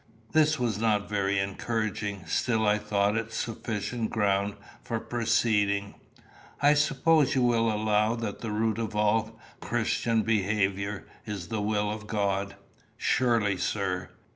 This was not very encouraging. Still I thought it sufficient ground for proceeding. "I suppose you will allow that the root of all Christian behaviour is the will of God?" "Surely, sir."